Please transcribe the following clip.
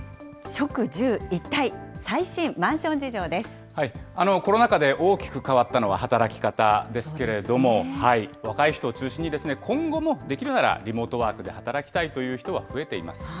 職住一体、最新マンション事情でコロナ禍で大きく変わったのは働き方ですけれども、若い人を中心に、今後もできるならリモートワークで働きたいという人が増えています。